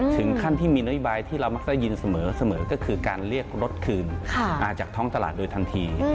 ถึงขั้นที่มีนโยบายที่เรามักได้ยินเสมอก็คือการเรียกรถคืนจากท้องตลาดโดยทันที